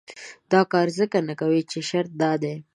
دا کار ځکه نه کوي چې شرط دا دی.